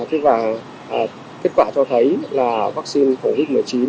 thế và kết quả cho thấy là vaccine covid một mươi chín